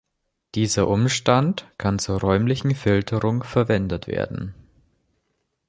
Dieser Umstand kann zur räumlichen Filterung verwendet werden.